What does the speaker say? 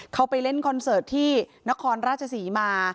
เขาไปเล่นคอนเสิร์ตที่นครราชศรีมา